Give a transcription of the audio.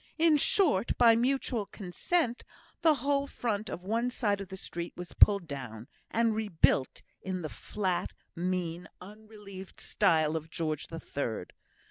In short, by mutual consent, the whole front of one side of the street was pulled down, and rebuilt in the flat, mean, unrelieved style of George the Third.